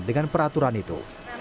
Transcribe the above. dan peraturan itu